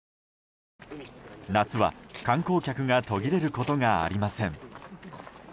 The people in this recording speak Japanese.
夏は観光客が途切れることがありません。